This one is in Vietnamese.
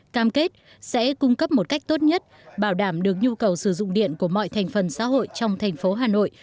cam kết sẽ cung cấp một cách tốt nhất bảo đảm được nhu cầu sử dụng điện của mọi thành phần xã hội trong thành phố hà nội